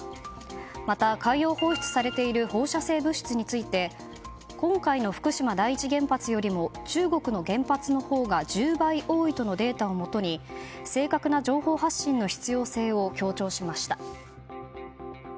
また、海洋放出されている放射性物質について今回の福島第一原発よりも中国の原発のほうが１０倍多いとのデータをもとに正確な情報発信の必要性を強調しました。